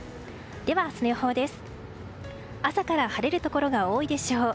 明日の予報です。